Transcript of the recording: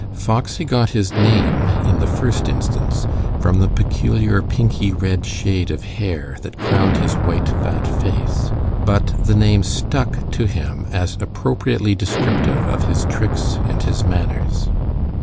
Foxy got his name, in the first instance, from the peculiar pinky red shade of hair that crowned his white, fat face, but the name stuck to him as appropriately descriptive of his tricks and his manners.